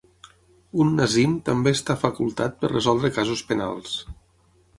Un "nazim" també està facultat per resoldre casos penals.